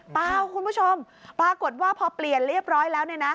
เปล่าคุณผู้ชมปรากฏว่าพอเปลี่ยนเรียบร้อยแล้วเนี่ยนะ